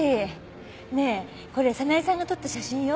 ねえこれ早苗さんが撮った写真よ。